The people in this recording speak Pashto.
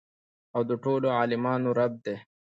او د ټولو عالميانو رب دى.